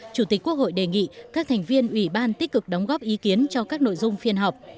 chủ tịch quốc hội đề nghị các thành viên ủy ban tích cực đóng góp ý kiến cho các nội dung phiên họp